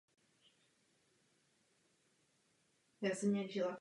Nechci dnes kritizovat ani obhajovat vládu.